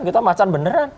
kita macan beneran